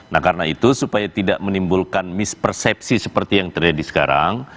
nah karena itu supaya tidak menimbulkan mispersepsi seperti yang terjadi sekarang